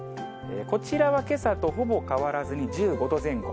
こちらはけさとほぼ変わらずに１５度前後。